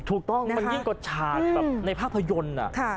ถูกต้องมันยิ่งกดฉากในภาพยนตร์น่ะ